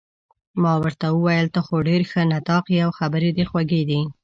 ما ورته وویل: ته خو ډېر ښه نطاق يې، او خبرې دې خوږې دي.